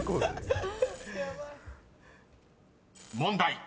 ［問題］